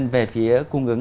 về phía cung ứng